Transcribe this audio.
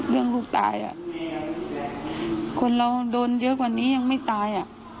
ลูกตายคนเราโดนเยอะกว่านี้ยังไม่ตาย